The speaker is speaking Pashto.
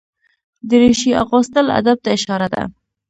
دریشي اغوستل ادب ته اشاره ده.